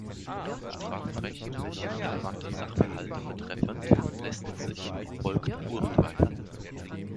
Strafrechtlich relevante Sachverhalte betreffend, lässt sich wie folgt urteilen.